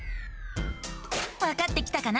わかってきたかな？